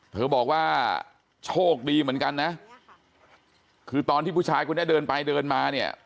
เธอบอกว่าโชคดีเหมือนกันนะคือตอนที่ผู้ชายคนนี้เดินไปเดินมาเนี่ย